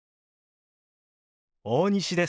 大西です。